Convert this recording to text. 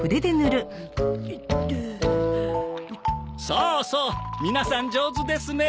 そうそう皆さん上手ですね。